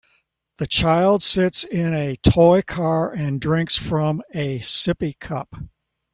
The child sits in a toy car and drinks from a sippy cup